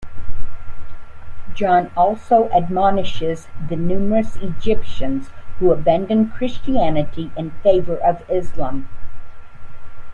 John also admonishes the numerous Egyptians who abandoned Christianity in favor of Islam.